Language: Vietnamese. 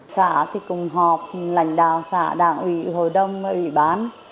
xã thì cùng họp lãnh đạo xã đảng ủy hội đông và ủy bán